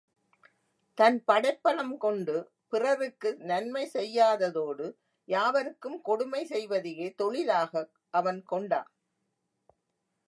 தன் படைப்பலம் கொண்டு பிறருக்கு நன்மை செய்யாததோடு யாவருக்கும் கொடுமை செய்வதையே தொழிலாக அவன் கொண்டான்.